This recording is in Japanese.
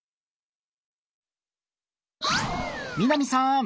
みなみさん！